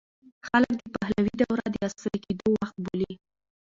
خلک د پهلوي دوره د عصري کېدو وخت بولي.